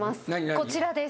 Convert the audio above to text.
こちらです。